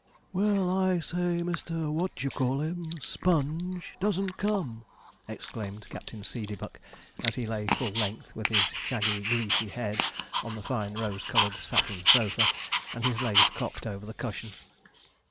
'Well, I say Mr. What d'ye call him Sponge doesn't come!' exclaimed Captain Seedeybuck, as he lay full length, with his shaggy greasy head on the fine rose coloured satin sofa, and his legs cocked over the cushion.